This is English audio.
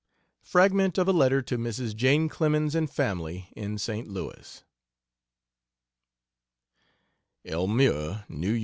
Fragment of a letter to Mrs. Jane Clemens and family, in St. Louis: ELMIRA, N.Y.